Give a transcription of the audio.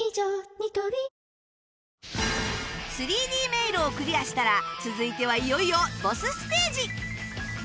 ニトリ３Ｄ 迷路をクリアしたら続いてはいよいよボスステージ